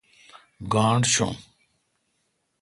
گاݨڈ چوم۔